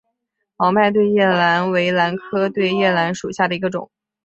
毛脉对叶兰为兰科对叶兰属下的一个种。